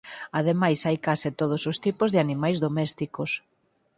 Ademais hai case todos os tipos de animais domésticos.